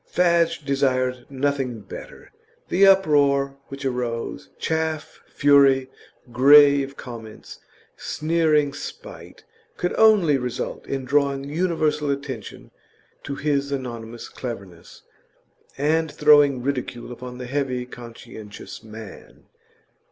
Fadge desired nothing better; the uproar which arose chaff, fury, grave comments, sneering spite could only result in drawing universal attention to his anonymous cleverness, and throwing ridicule upon the heavy, conscientious man.